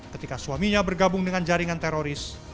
ketika suaminya bergabung dengan jaringan teroris